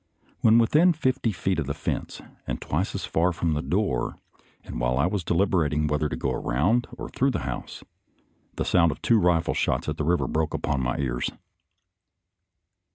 When within fifty feet of the fence and twice as far from the door, and while I was deliberating whether to go around or through the house, the sound of two rifle shots at the river broke upon my ears.